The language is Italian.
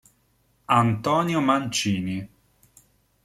Antonio Mancini